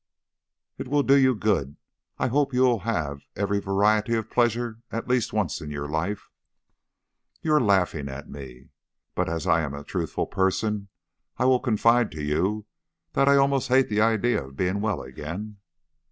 "It will do you good. I hope you will have every variety of pleasure at least once in your life." "You are laughing at me but as I am a truthful person I will confide to you that I almost hate the idea of being well again."